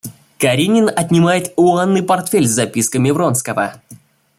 Каренин отнимает у Анны портфель с записками Вронского.